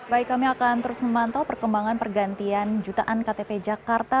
baik kami akan terus memantau perkembangan pergantian jutaan ktp jakarta